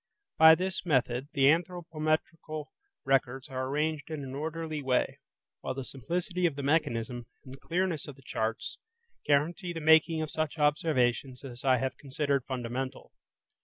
By this method the anthropometrical records are arranged in an orderly way, while the simplicity of the mechanism, and the clearness of the charts, guarantee the making of such observations as I have considered fundamental.